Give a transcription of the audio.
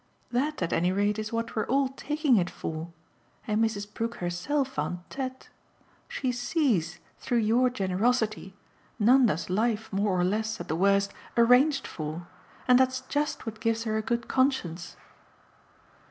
That at any rate is what we're all taking it for, and Mrs. Brook herself en tete. She sees through your generosity Nanda's life more or less, at the worst, arranged for, and that's just what gives her a good conscience."